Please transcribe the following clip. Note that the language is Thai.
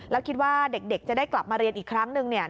แล้วคิดว่าเด็กจะได้กลับมาเรียนอีกครั้งนึงเนี่ย